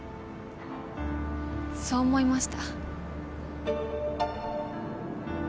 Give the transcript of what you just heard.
そう思いました。